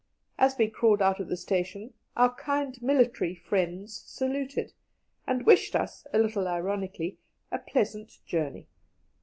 As we crawled out of the station, our kind military friends saluted, and wished us, a little ironically, a pleasant journey.